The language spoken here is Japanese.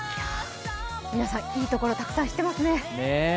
皆さん、いいところたくさん知ってますね。